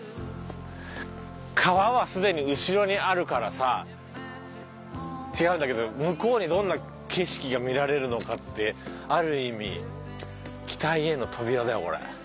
川はすでに後ろにあるからさ違うんだけど向こうにどんな景色が見られるのかってある意味期待への扉だよこれ。